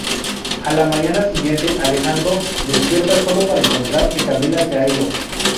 A la mañana siguiente, Alejandro despierta sólo para encontrar que Camila se ha ido.